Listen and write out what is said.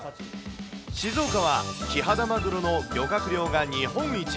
静岡は、キハダマグロの漁獲量が日本一。